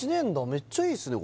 めっちゃいいっすね